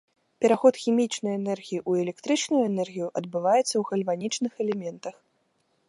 Пераход хімічнай энергіі ў электрычную энергію адбываецца ў гальванічных элементах.